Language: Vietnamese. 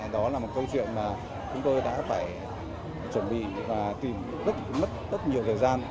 đó là một câu chuyện mà chúng tôi đã phải chuẩn bị và tìm rất mất rất nhiều thời gian